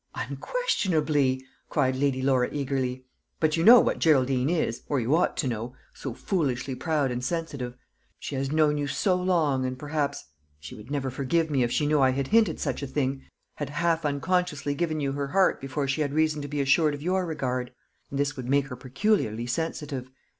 "Unquestionably," cried Lady Laura eagerly; "but you know what Geraldine is, or you ought to know so foolishly proud and sensitive. She has known you so long, and perhaps she would never forgive me if she knew I had hinted such a thing had half unconsciously given you her heart before she had reason to be assured of your regard: and this would make her peculiarly sensitive.